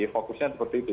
fokusnya seperti itu